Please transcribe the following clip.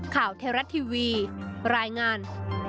ข่าวเทราะห์ทีวีรายงาน